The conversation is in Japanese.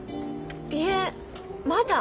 いえまだ。